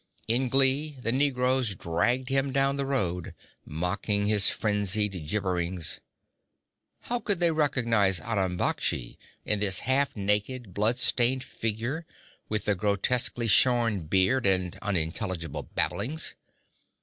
In glee the negroes dragged him down the road, mocking his frenzied gibberings. How could they recognize Aram Baksh in this half naked, bloodstained figure, with the grotesquely shorn beard and unintelligible babblings?